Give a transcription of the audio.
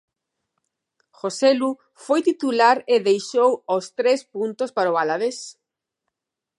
Joselu foi titular e deixou os tres puntos para o Alavés.